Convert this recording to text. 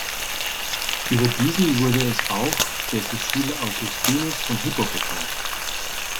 Über diesen wurde es auch dessen Schüler Augustinus von Hippo bekannt.